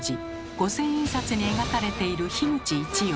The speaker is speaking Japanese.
五千円札に描かれている口一葉。